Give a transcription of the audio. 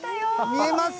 見えます？